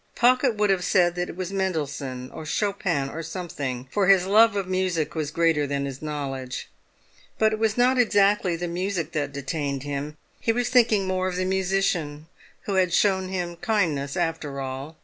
Pocket would have said that it was Mendelssohn, or Chopin, "or something," for his love of music was greater than his knowledge. But it was not exactly the music that detained him; he was thinking more of the musician, who had shown him kindness, after all.